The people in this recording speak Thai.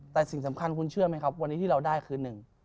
แต่สิ่งสำคัญคุณเชื่อไหมครับวันนี้ที่เราได้คือหนึ่ง